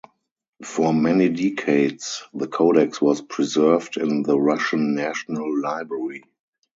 For many decades, the Codex was preserved in the Russian National Library.